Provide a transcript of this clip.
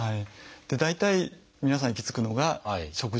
大体皆さん行き着くのが「食事」とか「ストレス」。